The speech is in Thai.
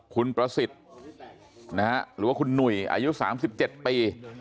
คุณประสิทธิ์นะฮะหรือว่าคุณหนุ่ยอายุสามสิบเจ็ดปี